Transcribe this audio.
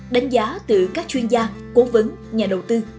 đánh giá từ các chuyên gia cố vấn nhà đầu tư